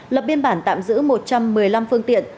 lập biên bản tạm giữ một trăm một mươi năm phương tiện